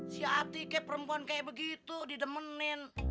si atike perempuan kayak begitu didemenin